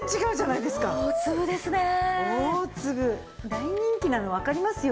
大人気なのわかりますよね。